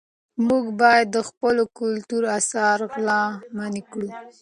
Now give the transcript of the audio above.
موږ باید د خپلو کلتوري اثارو غلا منعه کړو.